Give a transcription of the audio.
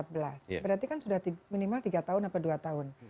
berarti kan sudah minimal tiga tahun atau dua tahun